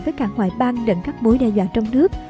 với cả ngoại bang lẫn các mối đe dọa trong nước